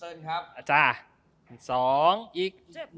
อีก๑